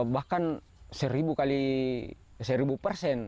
bahkan seribu persen